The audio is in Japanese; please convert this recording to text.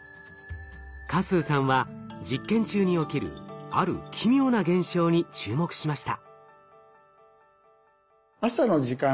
嘉数さんは実験中に起きるある奇妙な現象に注目しました。